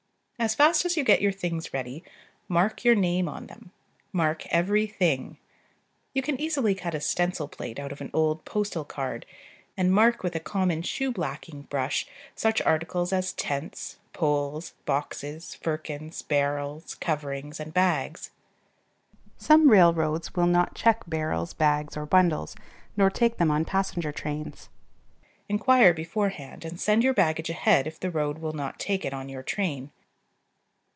As fast as you get your things ready, mark your name on them: mark every thing. You can easily cut a stencil plate out of an old postal card, and mark with a common shoe blacking brush such articles as tents, poles, boxes, firkins, barrels, coverings, and bags. Some railroads will not check barrels, bags, or bundles, nor take them on passenger trains. Inquire beforehand, and send your baggage ahead if the road will not take it on your train.